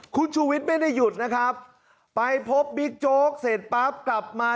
คุณชูวิทย์ไม่ได้หยุดนะครับไปพบบิ๊กโจ๊กเสร็จปั๊บกลับมา